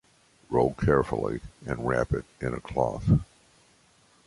Roll carefully, and wrap it in a cloth.